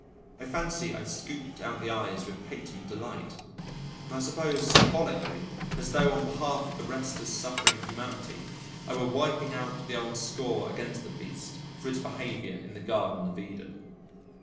I fancy I scooped out the eyes with patent delight I suppose symbolically, as though, on behalf of the rest of suffering humanity, I were wiping off the old score against the beast for its behaviour in the Garden of Eden.